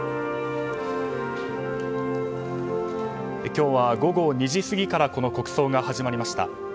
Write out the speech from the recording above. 今日は午後２時過ぎから国葬が始まりました。